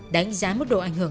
đánh giá mức độ ảnh hưởng